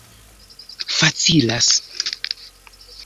facilas